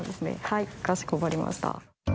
はいかしこまりました。